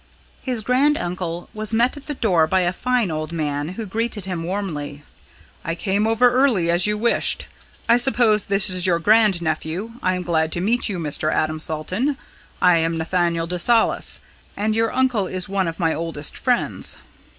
His grand uncle was met at the door by a fine old man, who greeted him warmly. "I came over early as you wished. I suppose this is your grand nephew I am glad to meet you, Mr. Adam Salton. I am Nathaniel de Salis, and your uncle is one of my oldest friends."